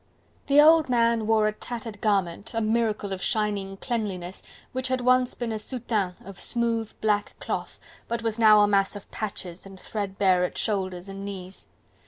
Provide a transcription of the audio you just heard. The old man wore a tattered garment, a miracle of shining cleanliness, which had once been a soutane of smooth black cloth, but was now a mass of patches and threadbare at shoulders and knees.